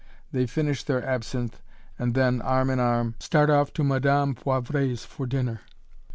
They finish their absinthe and then, arm in arm, start off to Madame Poivret's for dinner.